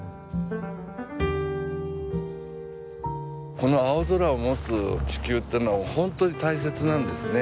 この青空を持つ地球ってのは本当に大切なんですね。